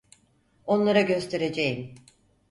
Onlara göstereceğim.